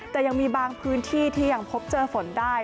แต่ยังมีบางพื้นที่ที่ยังพบเจอฝนได้